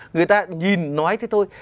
người ta nhìn nói thế thôi